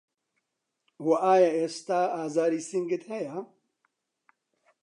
وه ئایا ئێستا ئازاری سنگت هەیە